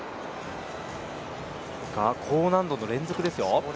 高難度の連続ですよ。